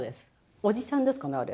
おじさんですかねあれ。